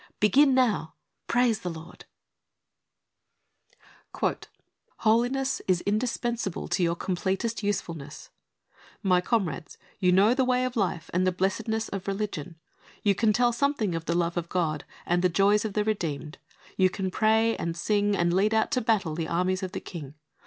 Begin now ! Praise the Lord ! ^''Holiness is indispensable to your completest usefulness'* " My Comrades, you know the way of life and the blessedness of religion. You can tell something of the love of God, and the joys of the redeemed. You can pray, and sing, and lead out to battle the armies of the King.